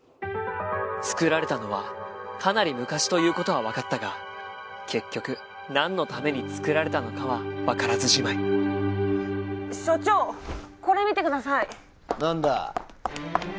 つくられたのはかなり昔ということは分かったが結局何のためにつくられたのかは分からずじまい所長これ見てください何だ？